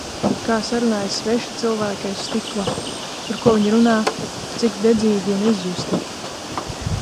Kā sarunājas sveši cilvēki aiz stikla. Par ko viņi runā, cik dedzīgi un izjusti.